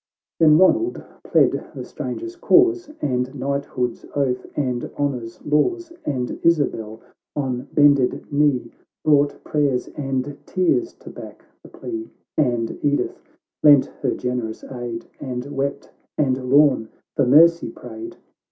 — xxv Then Ronald pled the stranger's cause, And knighthood's oath and honour's laws ; And Isabel, on bended knee, Brought prayers and tears to back the plea ; And Editli lent her generous aid, And wept, and Lorn for mercy prayed.